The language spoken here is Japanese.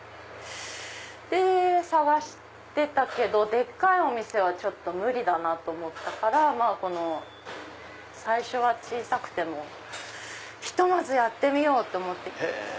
で探してたけどでっかいお店はちょっと無理だなと思ったから最初は小さくてもひとまずやってみようと思って。